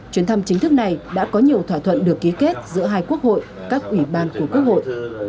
chuyến thăm chính thức này đã có nhiều thỏa thuận được ký kết giữa hai quốc hội các ủy ban của quốc hội